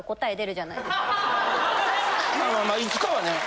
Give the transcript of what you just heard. まあいつかはね。